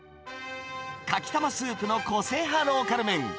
かきたまスープの個性派ローカル麺。